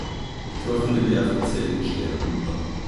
Betroffene Nervenzellen sterben ab.